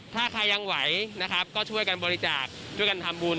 ถ้าใครยังไหวนะครับก็ช่วยกันบริจาคช่วยกันทำบุญ